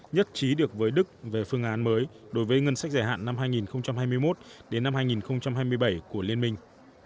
nhất trí được với đức về phương án mới đối với ngân sách dài hạn năm hai nghìn hai mươi một đến năm hai nghìn hai mươi bảy của liên minh